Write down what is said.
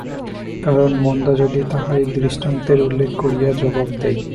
কারণ, মন্দা যদি তাহারই দৃষ্টান্তের উল্লেখ করিয়া জবাব দেয়।